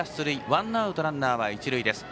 ワンアウトランナー、一塁です。